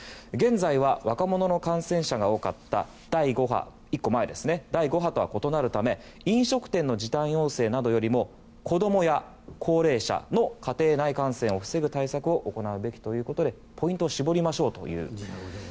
現在は若者の感染者が多かった１つ前の第５波とは異なるため飲食店の時短要請などよりも子供や高齢者の家庭内感染を防ぐ対策を行うべきということでポイントを絞りましょうと。